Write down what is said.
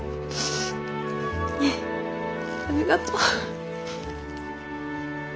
ありがとう。